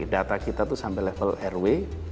data kita itu sampai level rw